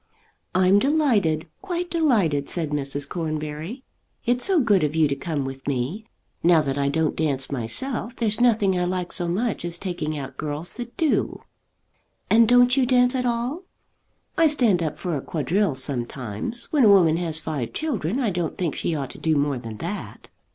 "I'm delighted, quite delighted," said Mrs. Cornbury. "It's so good of you to come with me. Now that I don't dance myself, there's nothing I like so much as taking out girls that do." "And don't you dance at all?" "I stand up for a quadrille sometimes. When a woman has five children I don't think she ought to do more than that."